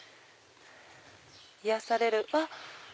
癒やされるあっ！